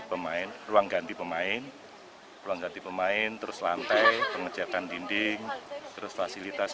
pemain ruang ganti pemain ruang ganti pemain terus lantai pengecatan dinding terus fasilitas